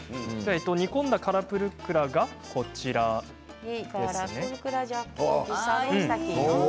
煮込んだカラプルクラがこちらですね。